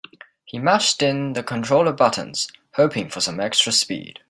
He mashed in the controller buttons, hoping for some extra speed.